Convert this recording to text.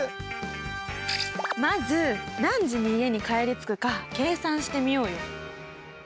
まず何時に家に帰り着くか計算してみようよ。